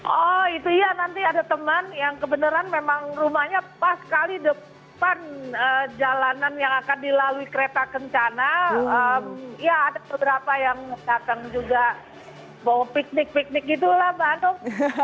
oh itu iya nanti ada teman yang kebenaran memang rumahnya pas sekali depan jalanan yang akan dilalui kereta kencana ya ada beberapa yang datang juga bawa piknik piknik gitu lah mbak anung